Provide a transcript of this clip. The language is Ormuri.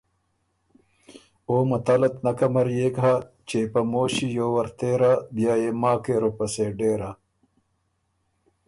او متلت نک امريېک هۀ ”چې په مو ݭی یوور تېرا بیا يې ما کې روپسې ډېرا“